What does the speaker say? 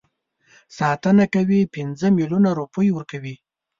ساتنه کوي پنځه میلیونه روپۍ ورکوي.